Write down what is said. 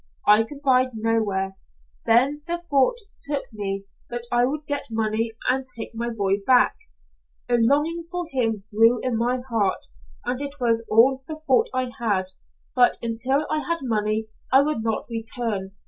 I could bide nowhere. Then the thought took me that I would get money and take my boy back. A longing for him grew in my heart, and it was all the thought I had, but until I had money I would not return.